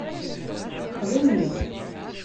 Texla-yi.